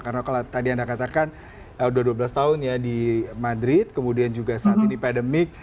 karena kalau tadi anda katakan sudah dua belas tahun ya di madrid kemudian juga saat ini pandemik